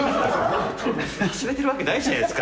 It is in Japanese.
忘れてるわけじゃないですか。